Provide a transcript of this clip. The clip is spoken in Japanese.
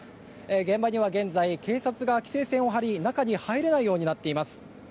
現場には現在、警察が規制線を張り中に入れないようになっています。